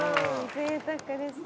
ぜいたくですね。